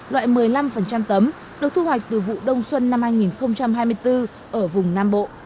loại một mươi năm tấm được thu hoạch từ vụ đông xuân năm hai nghìn hai mươi bốn ở vùng nam bộ